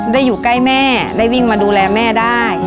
อยู่ใกล้แม่ได้วิ่งมาดูแลแม่ได้